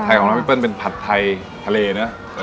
ไทยของเราเป็นผัดไทยทะเลเนอะ